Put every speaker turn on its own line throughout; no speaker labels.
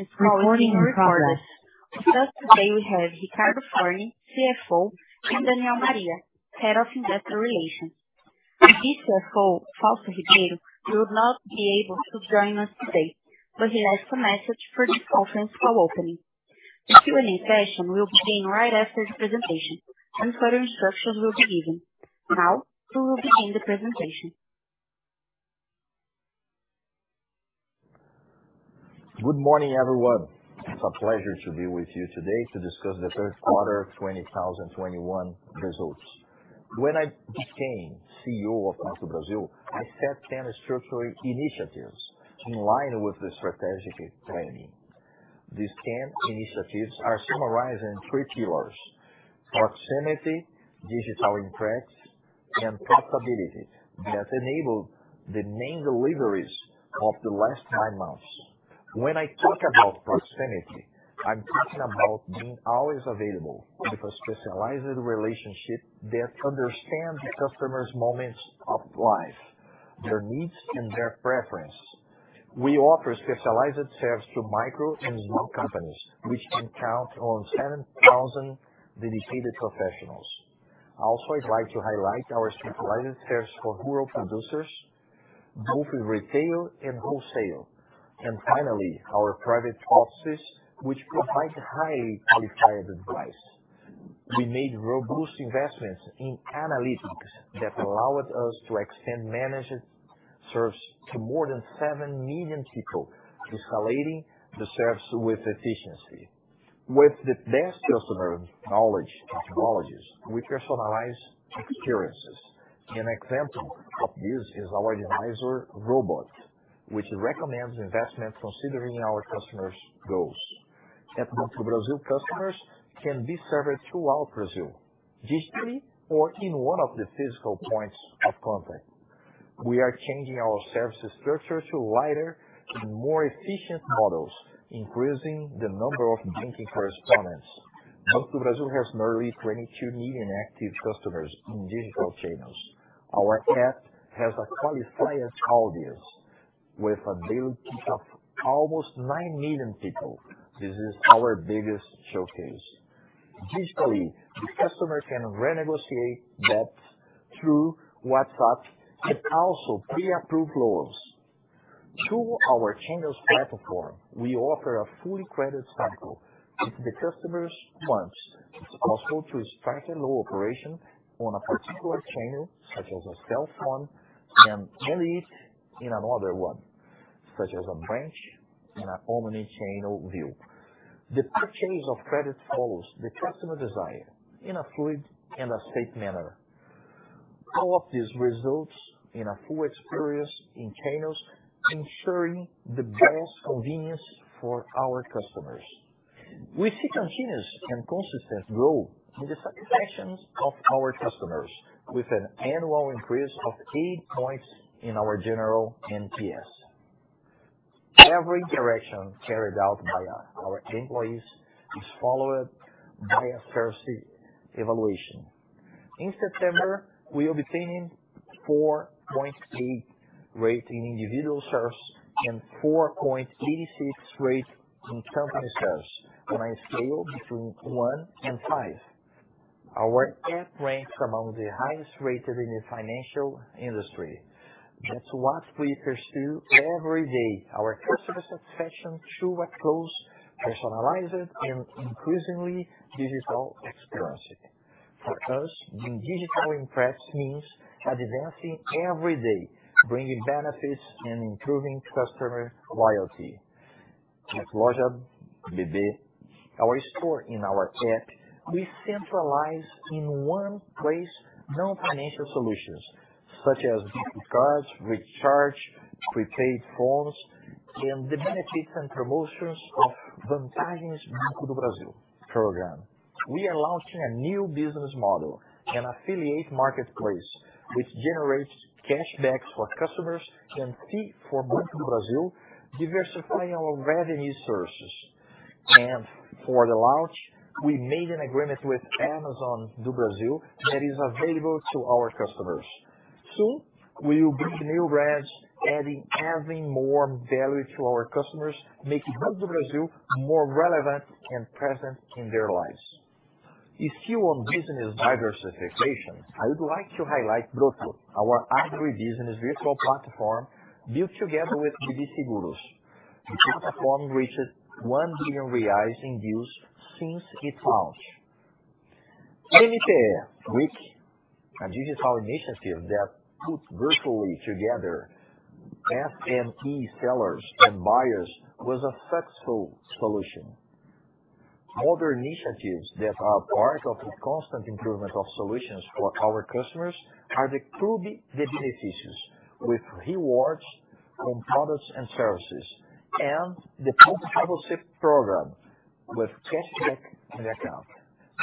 To start today we have Ricardo Forni, CFO, and Daniel Maria, Head of Investor Relations. Our CEO, Fausto Ribeiro, will not be able to join us today, but he left a message for this conference call opening. The Q&A session will begin right after the presentation and further instructions will be given. Now, we will begin the presentation.
Good morning, everyone. It's a pleasure to be with you today to discuss the third quarter 2021 results. When I became CEO of Banco do Brasil, I set 10 structural initiatives in line with the strategic planning. These 10 initiatives are summarized in three pillars, proximity, digital efficiency and profitability, that enable the main deliveries of the last nine months. When I talk about proximity, I'm talking about being always available with a specialized relationship that understands the customer's moments of life, their needs and their preference. We offer specialized service to micro and small companies, which can count on 7,000 dedicated professionals. Also, I'd like to highlight our specialized service for rural producers, both in retail and wholesale. Finally, our private offices, which provide highly qualified advice. We made robust investments in analytics that allowed us to extend managed service to more than 7 million people, escalating the service with efficiency. With the best customer knowledge technologies, we personalize experiences. An example of this is our advisor robot, which recommends investments considering our customers' goals. At Banco do Brasil, customers can be served throughout Brazil, digitally or in one of the physical points of contact. We are changing our services structure to lighter and more efficient models, increasing the number of banking correspondents. Banco do Brasil has nearly 22 million active customers in digital channels. Our app has a qualified audience with a daily peak of almost 9 million people. This is our biggest showcase. Digitally, customers can renegotiate debt through WhatsApp and also pre-approve loans. Through our channels platform, we offer a full credit cycle. If the customers want, it's possible to start a loan operation on a particular channel, such as a cell phone, and end it in another one, such as a branch in our omni-channel view. The purchase of credit follows the customer desire in a fluid and a safe manner. All of this results in a full experience in channels, ensuring the best convenience for our customers. We see continuous and consistent growth in the satisfaction of our customers, with an annual increase of 8 points in our general NPS. Every interaction carried out by our employees is followed by a service evaluation. In September, we obtained 4.8 rate in individual service and 4.86 rate in company service on a scale between 1 and 5. Our app ranks among the highest rated in the financial industry. That's what we pursue every day, our customer satisfaction through a close, personalized, and increasingly digital experience. For us, being digitally immersed means advancing every day, bringing benefits, and improving customer loyalty. At Loja BB, our store in our app, we centralize in one place non-financial solutions such as gift cards, recharge, prepaid phones, and the benefits and promotions of Vantagens BB program. We are launching a new business model, an affiliate marketplace, which generates cashbacks for customers and fee for Banco do Brasil, diversifying our revenue sources. For the launch, we made an agreement with Amazon Brasil that is available to our customers. Soon, we will bring new brands, adding even more value to our customers, making Banco do Brasil more relevant and present in their lives. If you want business diversification, I would like to highlight Broto, our agribusiness virtual platform built together with BB Seguros. The platform reaches 1 billion reais in bills since its launch. MPE Week, a digital initiative that put virtually together SME sellers and buyers, was a successful solution. Other initiatives that are part of the constant improvement of solutions for our customers are the Clube de Benefícios, with rewards from products and services, and the Ponto pra Você program with cashback in account.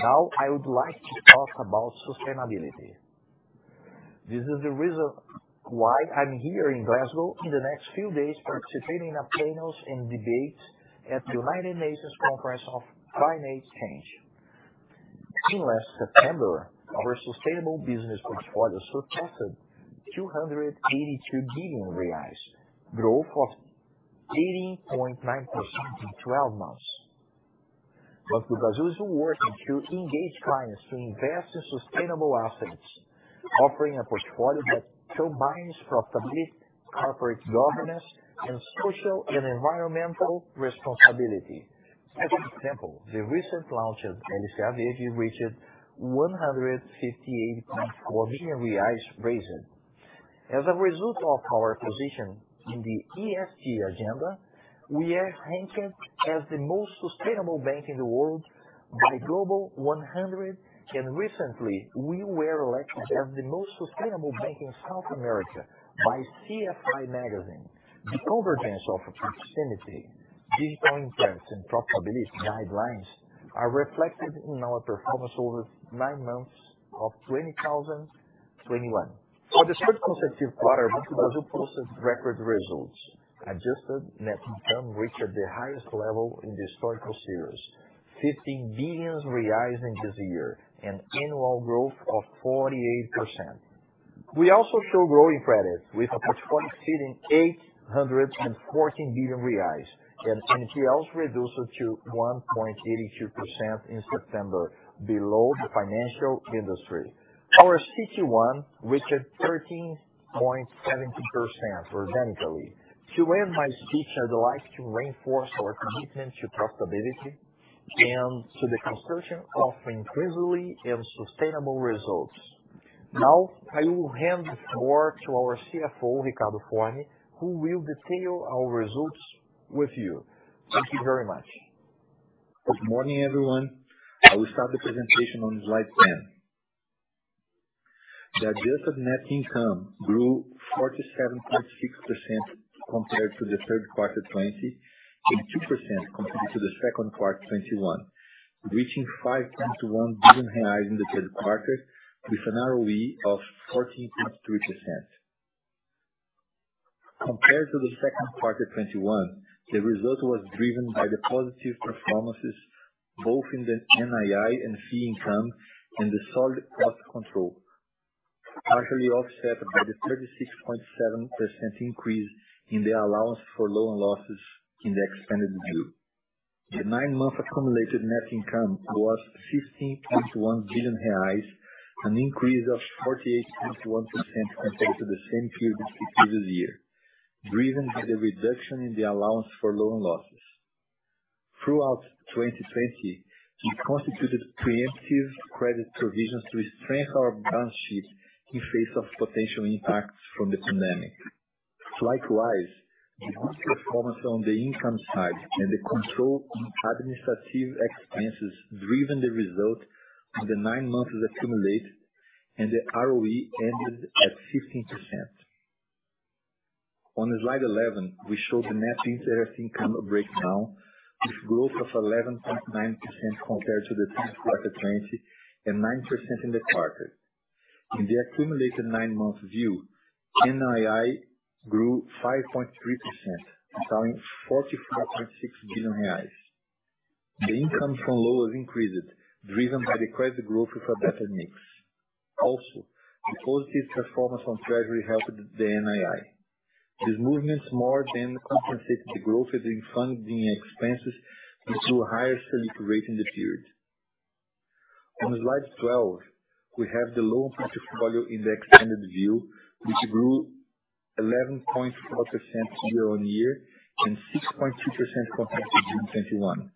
Now, I would like to talk about sustainability. This is the reason why I'm here in Glasgow in the next few days, participating in panels and debates at the United Nations Climate Change Conference. In last September, our sustainable business portfolio surpassed 282 billion reais, growth of 80.9% in 12 months. Banco do Brasil is working to engage clients to invest in sustainable assets, offering a portfolio that combines profitability, corporate governance, and social and environmental responsibility. As an example, the recent launch of LCA Verde reached 158.4 billion reais raised. As a result of our position in the ESG agenda, we are ranked as the most sustainable bank in the world by Global 100, and recently, we were elected as the most sustainable bank in South America by CFI.co. The convergence of proximity, digital intensity, and profitability guidelines are reflected in our performance over nine months of 2021. For the third consecutive quarter, Banco do Brasil posted record results. Adjusted net income reached the highest level in the historical series, 15 billion reais in this year, an annual growth of 48%. We also show growing credit with a portfolio exceeding 814 billion reais and NPLs reduced to 1.82% in September, below the financial industry. Our CET1 reached 13.70% organically. To end my speech, I'd like to reinforce our commitment to profitability and to the construction of increasingly sustainable results. Now, I will hand the floor to our CFO, Ricardo Forni, who will detail our results with you. Thank you very much.
Good morning, everyone. I will start the presentation on slide 10. The adjusted net income grew 47.6% compared to the third quarter 2020, and 2% compared to the second quarter 2021, reaching 5.1 billion reais in the third quarter with an ROE of 14.3%. Compared to the second quarter 2021, the result was driven by the positive performances, both in the NII and fee income, and the solid cost control, partially offset by the 36.7% increase in the allowance for loan losses in the expanded view. The nine-month accumulated net income was 15.1 billion reais, an increase of 48.1% compared to the same period of previous year, driven by the reduction in the allowance for loan losses. Throughout 2020, we constituted preemptive credit provisions to strengthen our balance sheet in face of potential impacts from the pandemic. Likewise, the good performance on the income side and the control in administrative expenses driven the result on the nine months accumulated, and the ROE ended at 15%. On slide 11, we show the net interest income breakdown with growth of 11.9% compared to the third quarter 2020, and 9% in the quarter. In the accumulated nine-month view, NII grew 5.3%, accounting 44.6 billion reais. The income from loans increased, driven by the credit growth with a better mix. Also, the positive performance from treasury helped the NII. These movements more than compensated the growth in funding expenses due to a higher Selic rate in the period. On slide 12, we have the loan portfolio in the extended view, which grew 11.4% year-on-year and 6.2% compared to June 2021,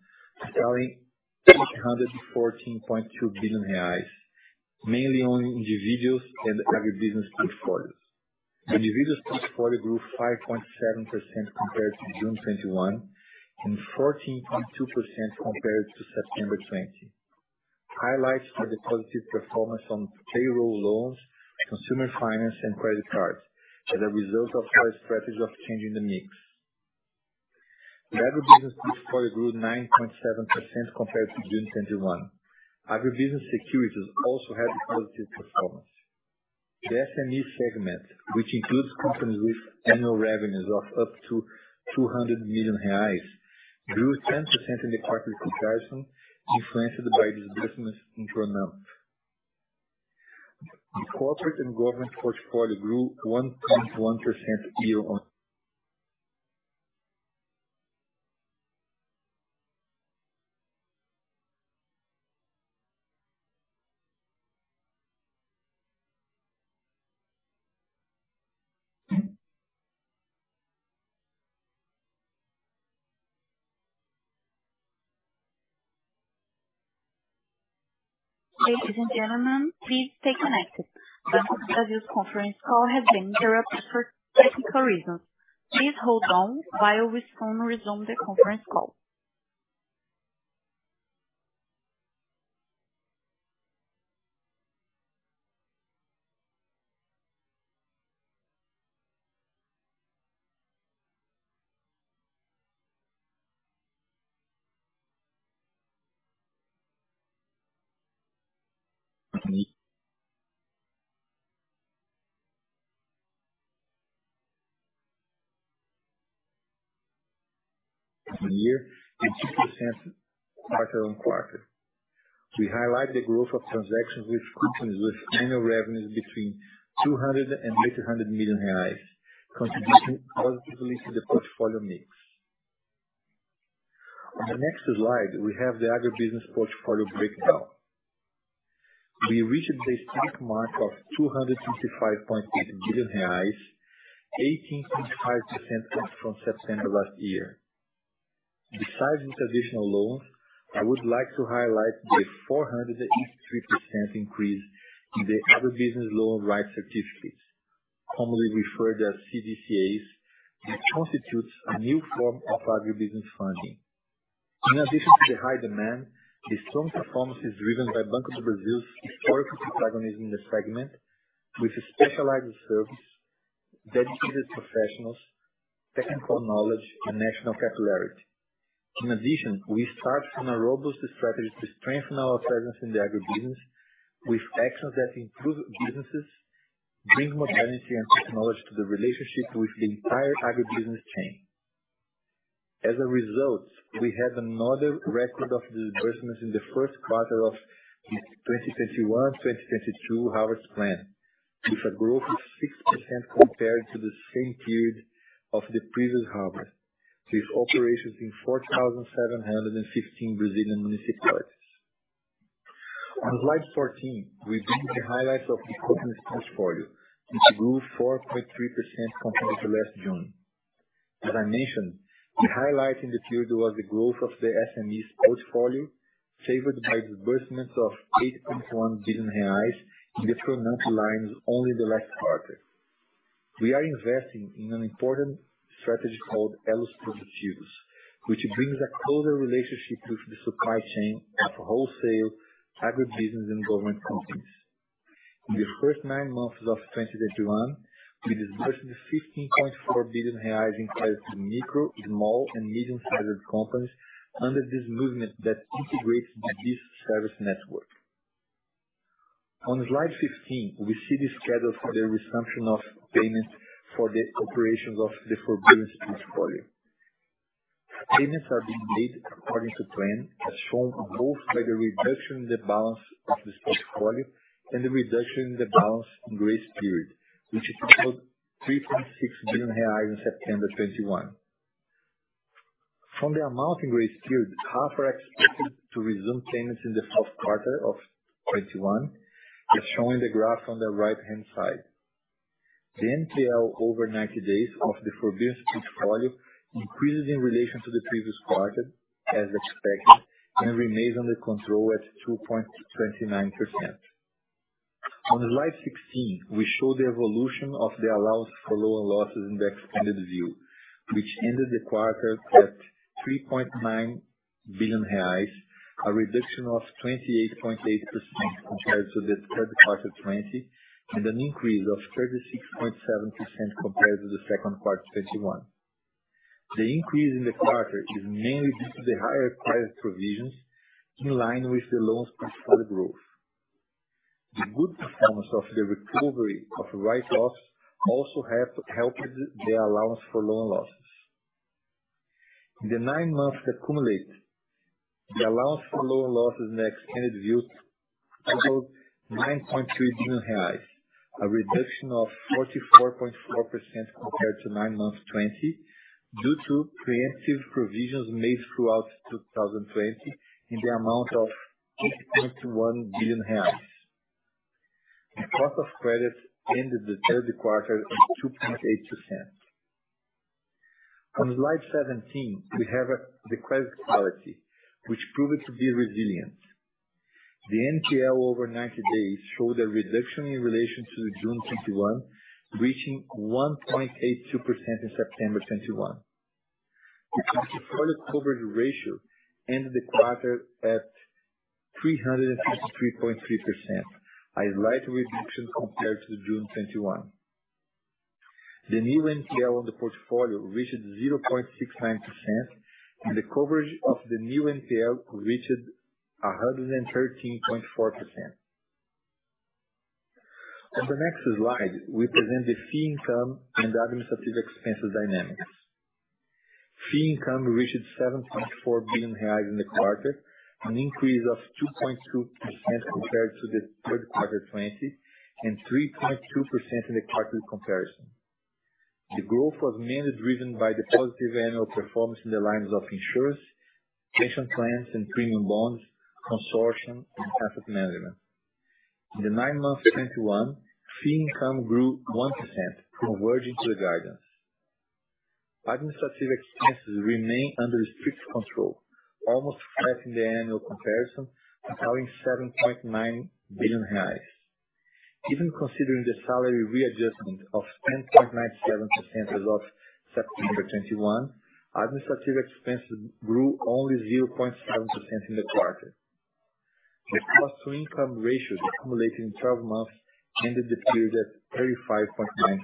totaling 814.2 billion reais, mainly on individuals and agribusiness portfolios. Individuals portfolio grew 5.7% compared to June 2021 and 14.2% compared to September 2020. Highlights are the positive performance on payroll loans, consumer finance and credit cards, as a result of our strategy of changing the mix. The agribusiness portfolio grew 9.7% compared to June 2021. Agribusiness securities also had a positive performance. The SME segment, which includes companies with annual revenues of up to 200 million reais, grew 10% in the quarter comparison, influenced by disbursements in the amount. The corporate and government portfolio grew 1.1% year on-
Ladies and gentlemen, please stay connected. The Banco do Brasil's conference call has been interrupted for technical reasons. Please hold on while we phone resume the conference call.
Year-on-year and 6% quarter-on-quarter. We highlight the growth of transactions with companies with annual revenues between 200 million reais and 800 million reais, contributing positively to the portfolio mix. On the next slide, we have the agribusiness portfolio breakdown. We reached the distinct mark of BRL 265.8 billion, 18.5% from September last year. Besides the traditional loans, I would like to highlight the 483% increase in the agribusiness credit rights certificates, commonly referred as CDCAs, which constitutes a new form of agribusiness funding. In addition to the high demand, the strong performance is driven by Banco do Brasil's historical protagonism in this segment, with specialized service, dedicated professionals, technical knowledge and national popularity. In addition, we start from a robust strategy to strengthen our presence in the agribusiness with actions that improve businesses, bring modernity and technology to the relationship with the entire agribusiness chain. As a result, we had another record of disbursements in the first quarter of the 2021-2022 harvest plan, with a growth of 6% compared to the same period of the previous harvest, with operations in 4,715 Brazilian municipalities. On slide 14, we bring the highlights of the agribusiness portfolio, which grew 4.3% compared to last June. As I mentioned, the highlight in the period was the growth of the SME portfolio, favored by disbursements of 80.1 billion reais in the two main lines only in the last quarter. We are investing in an important strategy called Elos Produtivos, which brings a closer relationship with the supply chain of wholesale agribusiness and government companies. In the first nine months of 2021, we disbursed 15.4 billion reais in credit to micro, small, and medium-sized companies under this movement that integrates the BB service network. On slide 15, we see the schedule for the resumption of payments for the operations of the forbearance portfolio. Payments are being made according to plan, as shown both by the reduction in the balance of this portfolio and the reduction in the balance in grace period, which is about 3.6 billion reais in September 2021. From the amount in grace period, half are expected to resume payments in the fourth quarter of 2021, as shown in the graph on the right-hand side. The NPL over 90 days of the forbearance portfolio increases in relation to the previous quarter as expected and remains under control at 2.29%. On slide 16, we show the evolution of the allowance for loan losses in the extended view, which ended the quarter at 3.9 billion reais, a reduction of 28.8% compared to the third quarter 2020, and an increase of 36.7% compared to the second quarter 2021. The increase in the quarter is mainly due to the higher credit provisions in line with the loans portfolio growth. The good performance of the recovery of write-offs also have helped the allowance for loan losses. In the nine months accumulated, the allowance for loan losses in the extended view totaled BRL 9.2 billion, a reduction of 44.4% compared to 9 months 2020, due to preemptive provisions made throughout 2020 in the amount of 8.1 billion reais. The cost of credits ended the third quarter at 2.8%. On slide 17, we have the credit quality, which proved to be resilient. The NPL over 90 days showed a reduction in relation to June 2021, reaching 1.82% in September 2021. The portfolio coverage ratio ended the quarter at 363.3%, a slight reduction compared to June 2021. The new NPL on the portfolio reached 0.69%, and the coverage of the new NPL reached 113.4%. On the next slide, we present the fee income and administrative expenses dynamics. Fee income reached 7.4 billion reais in the quarter, an increase of 2.2% compared to the third quarter 2020, and 3.2% in the quarter comparison. The growth was mainly driven by the positive annual performance in the lines of insurance, pension plans and premium bonds, consortium and asset management. In the nine months 2021, fee income grew 1%, converging to the guidance. Administrative expenses remain under strict control, almost flat in the annual comparison, totaling 7.9 billion reais. Even considering the salary readjustment of 10.97% as of September 21, administrative expenses grew only 0.7% in the quarter. The cost-to-income ratio accumulated in 12 months ended the period at 35.9%.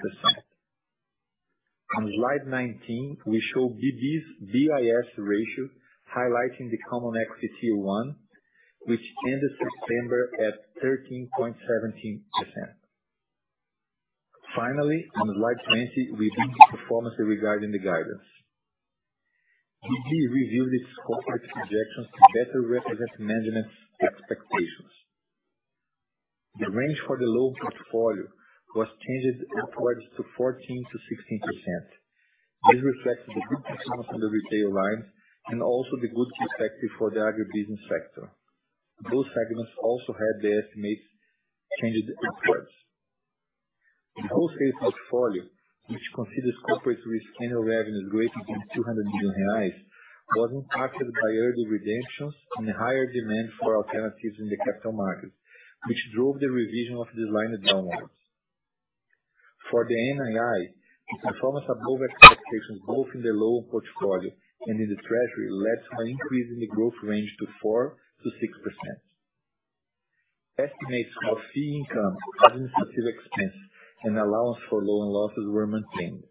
On slide 19, we show BB's BIS ratio, highlighting the common equity one, which ended September at 13.17%. Finally, on slide 20, we bring the performance regarding the guidance. BB reviewed its corporate projections to better represent management's expectations. The range for the loan portfolio was changed upwards to 14%-16%. This reflects the good performance in the retail line and also the good perspective for the agribusiness sector. Those segments also had their estimates changed upwards. The wholesale portfolio, which considers corporates with annual revenues greater than 200 million reais, was impacted by early redemptions and higher demand for alternatives in the capital markets, which drove the revision of this line downwards. For the NII, the performance above expectations both in the loan portfolio and in the treasury led to an increase in the growth range to 4%-6%. Estimates for fee income, administrative expense and allowance for loan losses were maintained.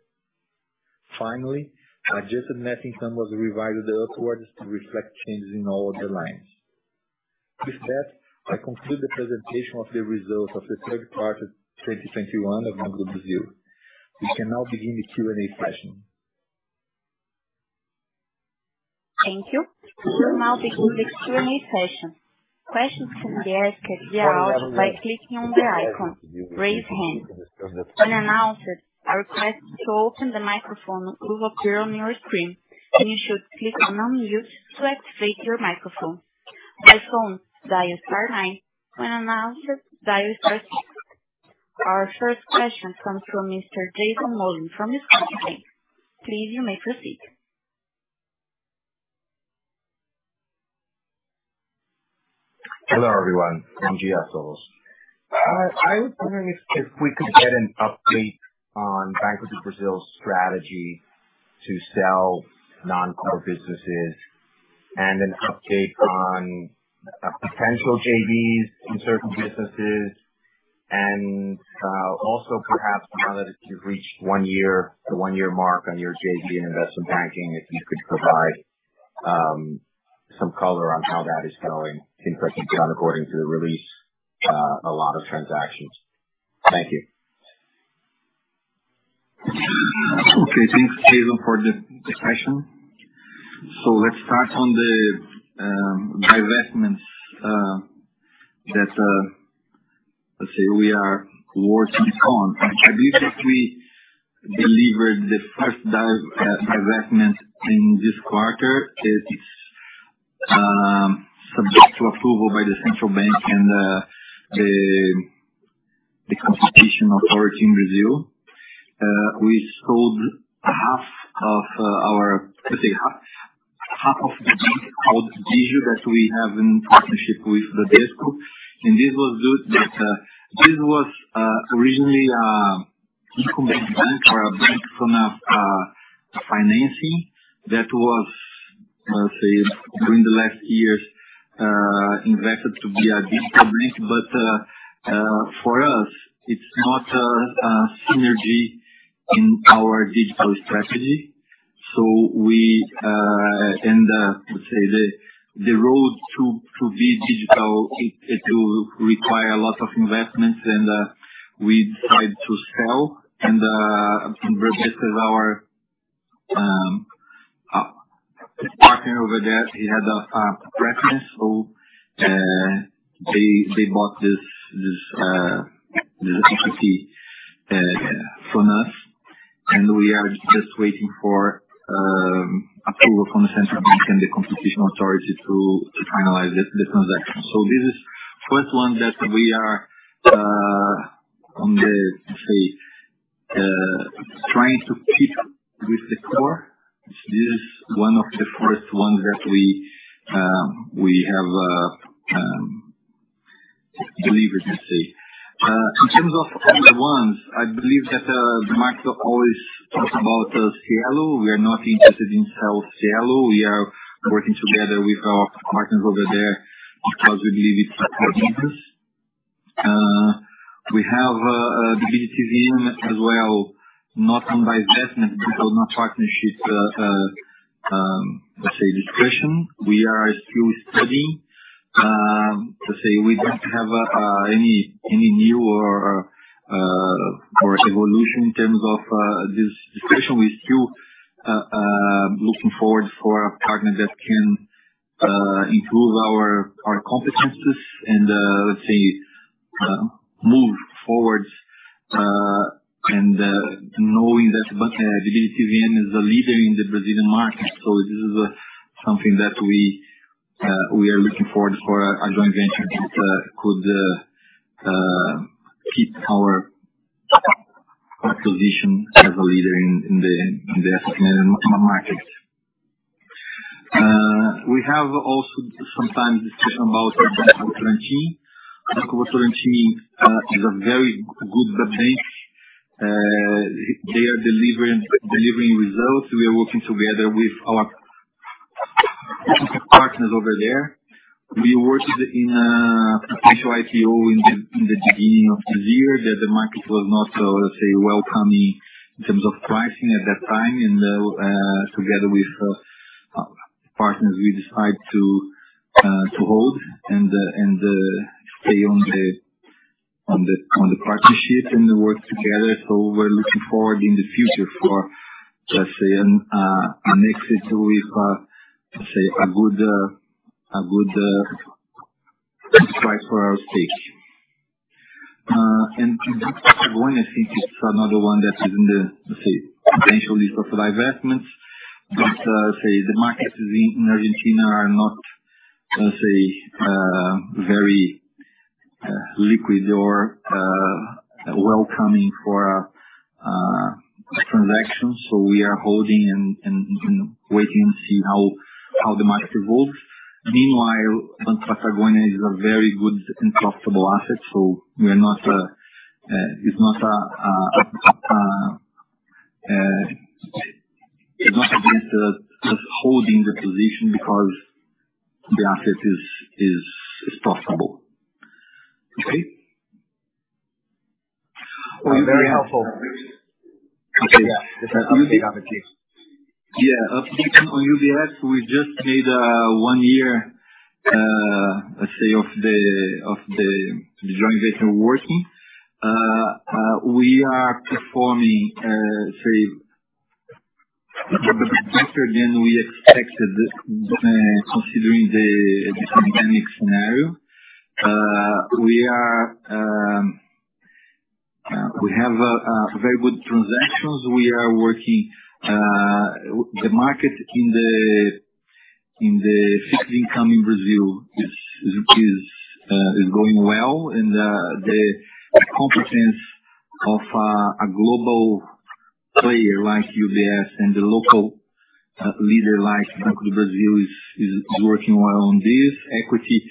Finally, adjusted net income was revised upwards to reflect changes in all of the lines. With that, I conclude the presentation of the results of the third. Quarter 2021 of Banco do Brasil. We can now begin the Q&A session.
Thank you. We'll now begin the Q&A session. Questions can be asked and raised by clicking on the icon Raise Hand. When announced, a request to open the microphone will appear on your screen, and you should click on Unmute to activate your microphone. By phone, dial star nine when announced, dial star six. Our first question comes from Mr. Jason Mollin from Scotiabank. Please, you may proceed.
Hello, everyone. bom dia a todos. I was wondering if we could get an update on Banco do Brasil's strategy to sell non-core businesses and an update on potential JVs in certain businesses. Also perhaps now that you've reached one year, the one-year mark on your JV in investment banking, if you could provide some color on how that is going since I see, according to the release, a lot of transactions. Thank you.
Okay. Thanks, Jason, for the question. Let's start on the divestments that let's say we are working on. I believe that we delivered the first divestment in this quarter. It's subject to approval by the central bank and the competition authority in Brazil. We sold half of our let's say half of the bank called Digio that we have in partnership with Bradesco. This was due to that this was originally incumbent bank or a bank from a financing that was let's say during the last years invested to be a digital bank. For us, it's not a synergy in our digital strategy. The road to be digital will require a lot of investments, and we decided to sell. This is our partner over there; he had a preference. They bought this equity from us. We are just waiting for approval from the central bank and the competition authority to finalize the transaction. This is first one that we are trying to fit with the core. This is one of the first ones that we have delivered, let's say. In terms of other ones, I believe that the market always talks about Cielo. We are not interested in selling Cielo. We are working together with our partners over there because we believe it's a good business. We have BB DTVM as well, not on divestment because my partnership, let's say, discussion. We are still studying, let's say we don't have any new or evolution in terms of this discussion. We're still looking forward for a partner that can improve our competencies and, let's say, move forward, and knowing that BB DTVM is a leader in the Brazilian market. This is something that we are looking forward for a joint venture that could keep our position as a leader in the asset management markets. We have also sometimes discussion about Banco Votorantim. Banco Votorantim is a very good bank. They are delivering results. We are working together with our partners over there. We worked on a potential IPO in the beginning of this year, that the market was not so, let's say, welcoming in terms of pricing at that time. Together with partners we decide to hold and stay on the partnerships and work together. We're looking forward in the future for, let's say an exit with, let's say a good price for our stake. In Banco Patagonia, I think it's another one that is in the, let's say, potential list of divestments. The markets in Argentina are not, let's say, very liquid or welcoming for a transaction. We are holding and waiting to see how the market evolves. Meanwhile, Banco Patagonia is a very good and profitable asset, so we are not—it's not against us holding the position because the asset is profitable. Okay?
Very helpful.
Okay.
Yeah. Is there update on UBS?
Yeah. Update on UBS, we just made one year, let's say, of the joint venture working. We are performing, say, better than we expected, considering the pandemic scenario. We have a very good transactions. We are working. The market in the fixed income in Brazil is going well. The competence of a global player like UBS and the local leader like Banco do Brasil is working well on this. Equity,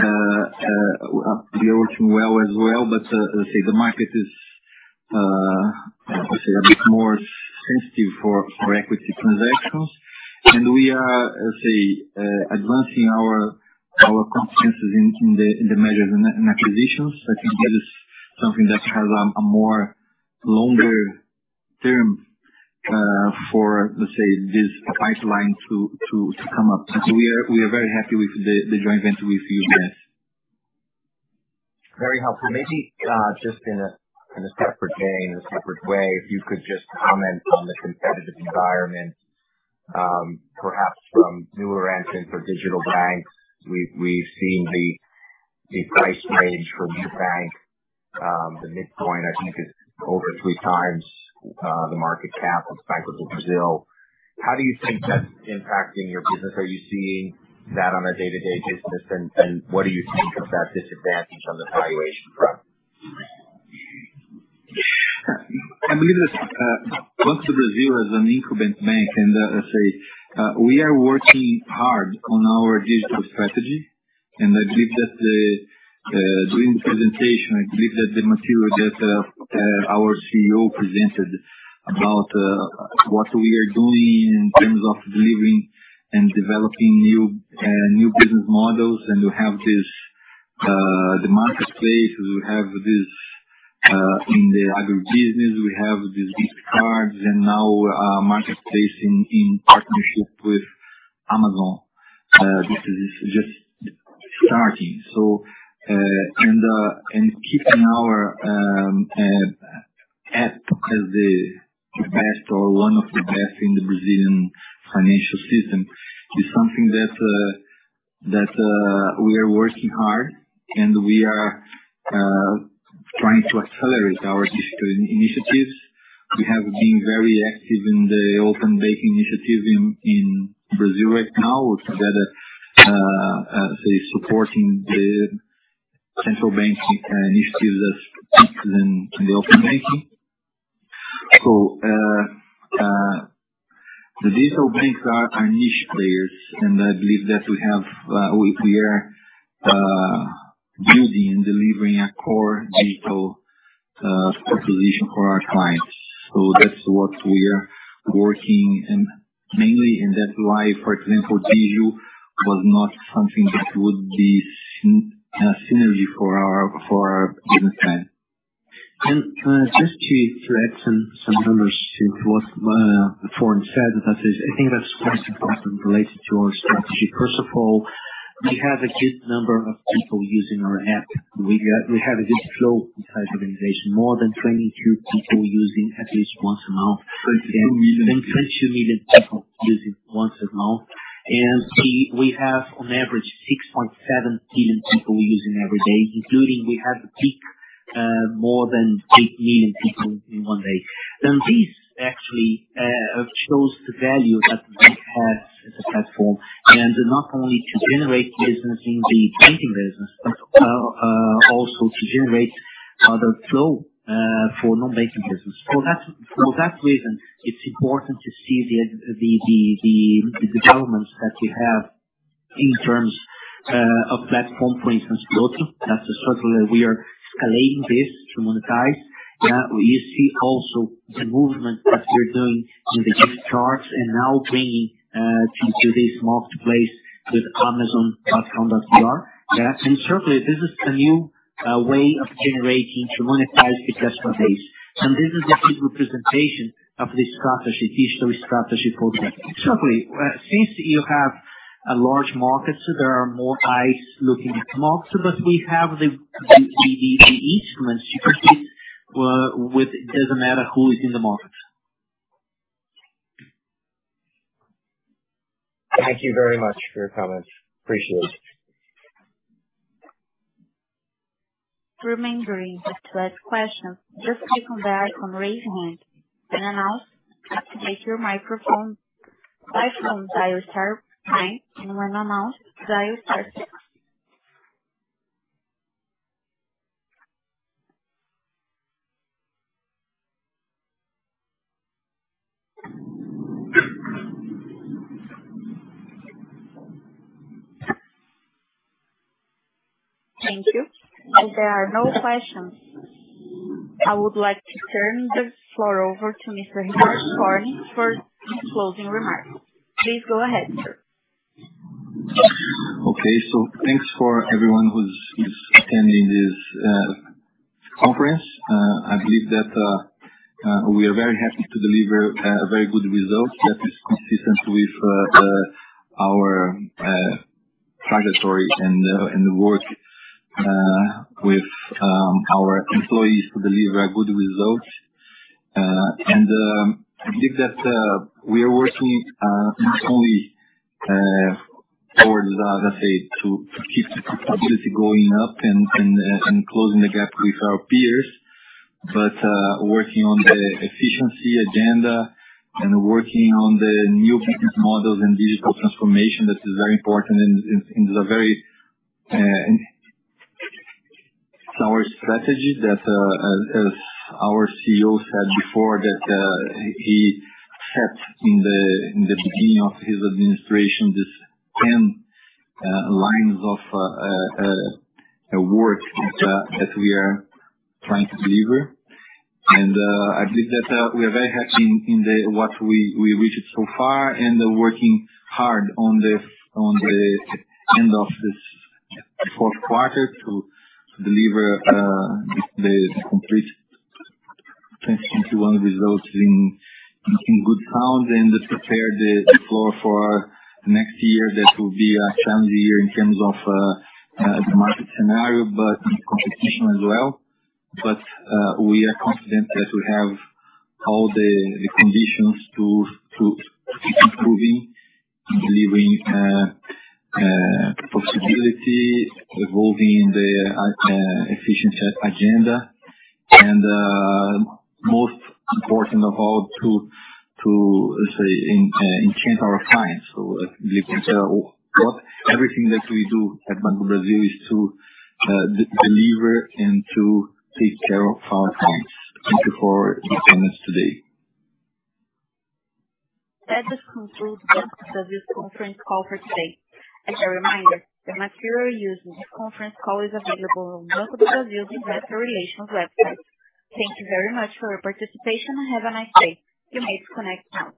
we are working well as well. Let's say the market is a bit more sensitive for equity transactions. We are, let's say, advancing our confidence in the mergers and acquisitions. I think that is something that has a more longer term for, let's say, this pipeline to come up. We are very happy with the joint venture with UBS.
Very helpful. Maybe just in a separate vein, in a separate way, if you could just comment on the competitive environment, perhaps from newer entrants or digital banks. We've seen the price range for new banks. The midpoint, I think, is over three times the market cap of Banco do Brasil. How do you think that's impacting your business? Are you seeing that on a day-to-day basis? What do you think of that disadvantage on the valuation front?
I believe that, Banco do Brasil is an incumbent bank and, let's say, we are working hard on our digital strategy. I believe that during the presentation, I believe that the material that our CEO presented about what we are doing in terms of delivering and developing new business models, and we have this, the marketplace, we have this, in the agribusiness, we have these gift cards and now our marketplace in partnership with Amazon. This is just starting, and keeping our app as the best or one of the best in the Brazilian financial system is something that we are working hard and we are trying to accelerate our digital initiatives. We have been very active in the open banking initiative in Brazil right now. We're together supporting the central bank initiatives that speak to the open banking. The digital banks are niche players, and I believe that we are building and delivering a core digital proposition for our clients. That's what we are working on mainly, and that's why, for example, Digio was not something that would be synergy for our business plan.
Just to add some numbers to what Forni said, that is, I think that's quite important related to our strategy. First of all, we have a good number of people using our app. We have a good flow inside the organization. More than 22 people using at least once a month.
22 million.
22 million people using once a month. We have, on average, 6.7 million people using every day, including we have a peak more than 8 million people in one day. This actually shows the value that the bank has as a platform. Not only to generate business in the banking business, but also to generate other flow for non-banking business. For that reason, it's important to see the developments that we have in terms of platform, for instance, Broto. That's a circle that we are scaling this to monetize. You see also the movement that we're doing in the gift cards and now bringing to this marketplace with amazon.com.br. Certainly, this is a new way of generating to monetize the customer base. This is a good representation of the strategy, digital strategy for that.
Certainly, since you have a large market. There are more eyes looking at the market. We have the instruments, securities. It doesn't matter who is in the market.
Thank you very much for your comments. Appreciate it.
If there are no questions, I would like to turn the floor over to Mr. Ricardo Forni for his closing remarks. Please go ahead, sir.
Okay. Thanks for everyone who's attending this conference. I believe that we are very happy to deliver a very good result that is consistent with our trajectory and work with our employees to deliver a good result. I believe that we are working not only towards, let's say, to keep profitability going up and closing the gap with our peers, but working on the efficiency agenda and working on the new business models and digital transformation that is very important and is our strategy that, as our CEO said before, that he set in the beginning of his administration, this 10 lines of work that we are trying to deliver. I believe that we are very happy in what we reached so far and are working hard on the end of this fourth quarter to deliver the complete 2021 results in good count and to prepare the floor for next year. That will be a challenging year in terms of the market scenario, but competition as well. We are confident that we have all the conditions to keep improving and delivering profitability, evolving the efficiency agenda, and, most important of all, to let's say, enhance our clients. I believe that everything that we do at Banco do Brasil is to deliver and to take care of our clients. Thank you for your comments today.
That just concludes Banco do Brasil's conference call for today. As a reminder, the material used in this conference call is available on Banco do Brasil's investor relations website. Thank you very much for your participation, and have a nice day. You may disconnect now.